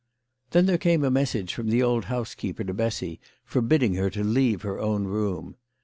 Then there came a message from the old housekeeper to Bessy, forbidding her to leave her own room.